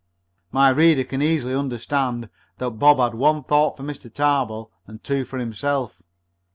My reader can easily understand that Bob had one thought for Mr. Tarbill and two for himself.